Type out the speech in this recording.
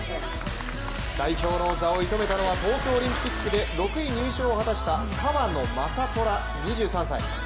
代表の座を射止めたのは東京オリンピックで６位入賞を果たした川野将虎２３歳。